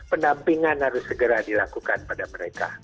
pendampingan harus segera dilakukan pada mereka